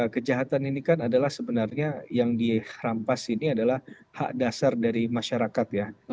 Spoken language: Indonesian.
kejahatan ini kan adalah sebenarnya yang dirampas ini adalah hak dasar dari masyarakat ya